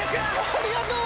ありがとう！